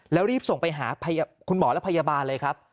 แล้วรีบส่งไปหาคุณหมอและพยาบาลเลยครับ